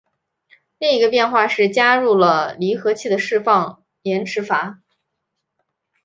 另一个变化是加入了离合器的释放延迟阀。